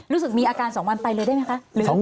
รู้สึกมีอาการ๒วันไปเลยได้ไหมคะ